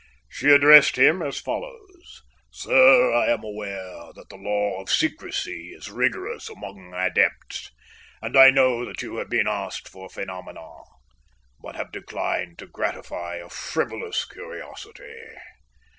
"She addressed him as follows: 'Sir, I am aware that the law of secrecy is rigorous among adepts; and I know that you have been asked for phenomena, but have declined to gratify a frivolous curiosity.